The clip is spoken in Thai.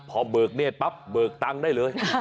พอเบิกเนธปั๊บเบิกตังค์ได้เลย